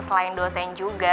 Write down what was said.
selain dosen juga